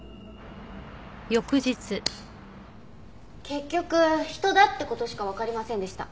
結局人だって事しかわかりませんでした。